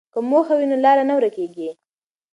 که موخه وي نو لاره نه ورکېږي.